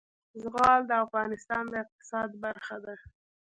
زغال د افغانستان د اقتصاد برخه ده.